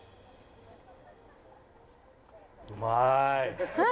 うまい！